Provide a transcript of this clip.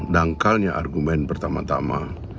dangkalnya argumen pertama tama